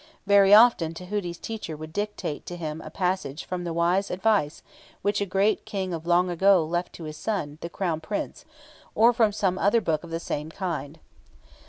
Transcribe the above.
Very often Tahuti's teacher would dictate to him a passage from the wise advice which a great King of long ago left to his son, the Crown Prince, or from some other book of the same kind.